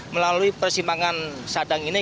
melalui persimpangan sadang ini